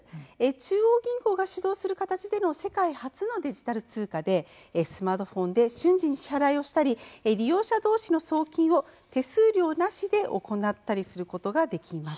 中央銀行が主導する形での世界初のデジタル通貨でスマートフォンで瞬時に支払いをしたり利用者どうしの送金を手数料なしで行ったりできます。